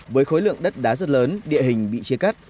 với khối lượng đất đá rất lớn địa hình bị chia cắt